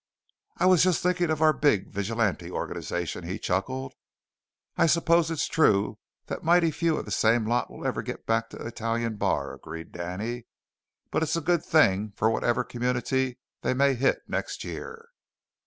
"I was just thinking of our big Vigilante organization," he chuckled. "I suppose it's true that mighty few of the same lot will ever get back to Italian Bar," agreed Danny, "but it's a good thing for whatever community they may hit next year."